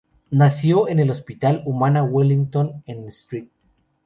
Nació en el hospital "Humana Wellington" en St.